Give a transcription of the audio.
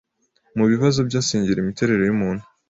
mubibazo bye Asengera imiterere yumuntu